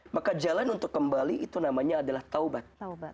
maka jalan untuk kembali itu namanya adalah taubat